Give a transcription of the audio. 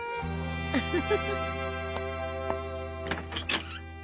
ウフフフ。